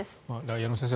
矢野先生